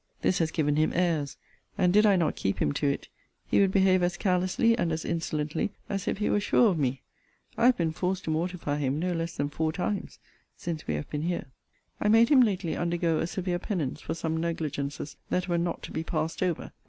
This has given him airs: and, did I not keep him to it, he would behave as carelessly and as insolently as if he were sure of me. I have been forced to mortify him no less than four times since we have been here. I made him lately undergo a severe penance for some negligences that were not to be passed over.